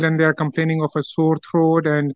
dan mereka mengadu tentang kakit yang sakit